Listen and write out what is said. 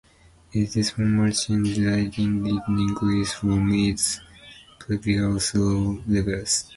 With this format change, ratings did increase from its previously low levels.